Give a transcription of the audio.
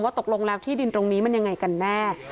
ตกลงแล้วที่ดินตรงนี้มันยังไงกันแน่